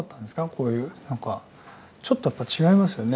こういう何かちょっとやっぱり違いますよね。